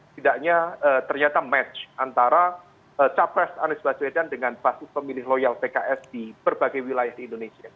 tidaknya ternyata match antara capres anies baswedan dengan basis pemilih loyal pks di berbagai wilayah di indonesia